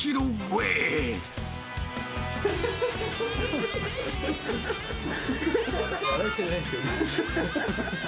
笑うしかないですよね。